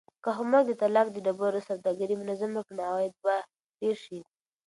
که حکومت د تالک د ډبرو سوداګري منظمه کړي نو عواید به ډېر شي.